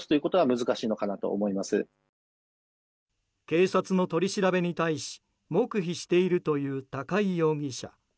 警察の取り調べに対し黙秘しているという高井容疑者。